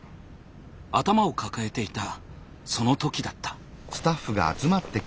頭を抱えていたその時だった。